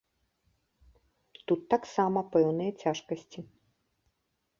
Тут таксама пэўныя цяжкасці.